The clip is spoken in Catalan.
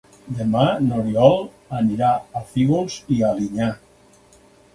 Demà n'Oriol anirà a Fígols i Alinyà.